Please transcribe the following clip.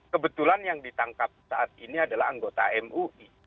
kebetulan yang ditangkap saat ini adalah anggota mui